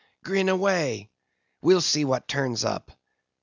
"Grin away; we'll see what turns up.